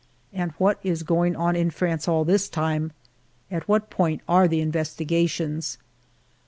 And what is going on in France all this time ? At what point are the investi gations